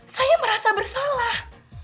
saya merasa bersalah